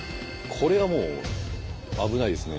これはもう危ないですね。